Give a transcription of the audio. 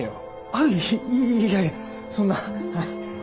あっいやいやそんなはい。